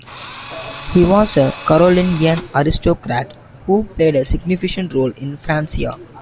He was a Carolingian aristocrat who played a significant role in Francia.